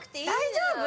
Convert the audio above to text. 大丈夫？